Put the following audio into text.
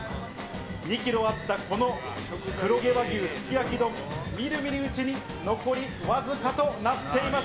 ２キロあったこの黒毛和牛すき焼き丼、みるみるうちに残り僅かとなっています。